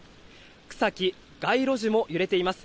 草木、街路樹も揺れています。